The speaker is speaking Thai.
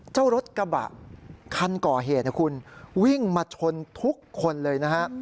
เจ้ารถกระบะคันก่อเหตุวิ่งมาชนทุกคนเลย